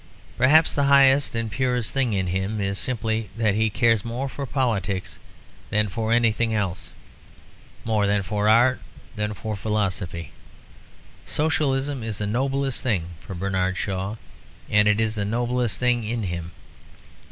Perhaps the highest and purest thing in him is simply that he cares more for politics than for anything else; more than for art or for philosophy. Socialism is the noblest thing for Bernard Shaw; and it is the noblest thing in him.